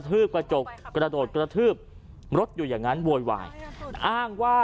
ผู้ชายคนนั้นพยายามจะ